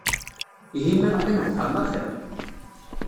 Ihi ma neqqim deg uxxam axir.